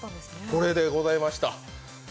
これでございました。